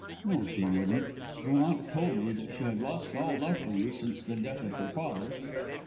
"No, she wouldn't. Your aunt told me that she had lost all love for you since the death of her father."